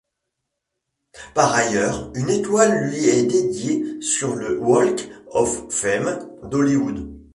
Par ailleurs, une étoile lui est dédiée sur le Walk of Fame d'Hollywood.